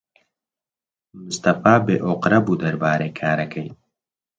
مستەفا بێئۆقرە بوو دەربارەی کارەکەی.